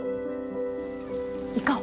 行こう。